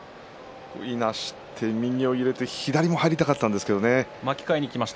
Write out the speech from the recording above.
いなして右を入れて左も入りたかったんですけどね。